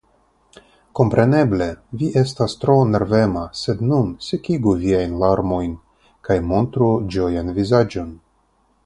Kompreneble; vi estas tro nervema, sed nun sekigu viajn larmojn kaj montru ĝojan vizaĝon.